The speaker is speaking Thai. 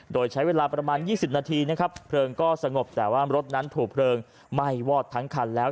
โดยใช้เวลาประมาณ๒๐นาทีนะครับเพลิงก็สงบแต่ว่ารถนั้นถูกเพลิงไหม้วอดทั้งคันแล้ว